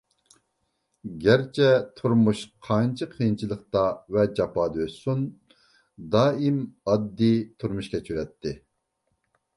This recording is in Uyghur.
گەرچە تۇرمۇشى قانچە قىيىنچىلىقتا ۋە جاپادا ئۆتسۇن، دائىم ئاددىي تۇرمۇش كەچۈرەتتى.